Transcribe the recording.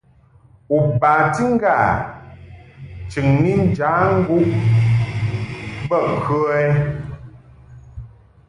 U bati ŋgâ chɨŋni njaŋguʼ bə kə ?